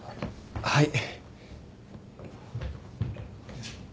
はい。